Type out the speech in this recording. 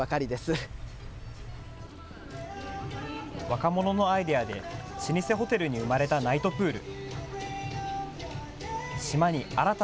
若者のアイデアで、老舗ホテルに生まれたナイトプール。